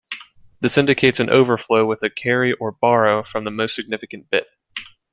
This indicates an overflow with a "carry" or "borrow" from the most significant bit.